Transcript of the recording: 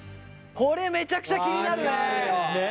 これめちゃくちゃ気になるね。